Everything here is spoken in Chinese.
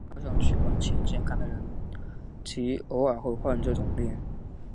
往往看上去完全健康的人极偶尔会患这种病。